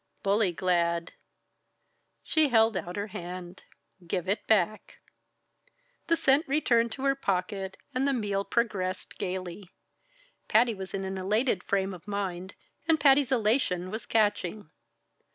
"Bully glad!" She held out her hand. "Give it back." The cent returned to her pocket, and the meal progressed gaily. Patty was in an elated frame of mind, and Patty's elation was catching.